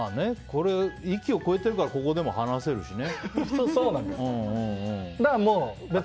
域を超えてるからここでも話せるしね。